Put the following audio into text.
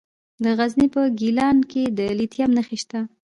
د غزني په ګیلان کې د لیتیم نښې شته.